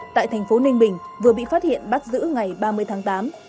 tại thành phố ninh bình vừa bị phát hiện bắt giữ ngày ba mươi tháng tám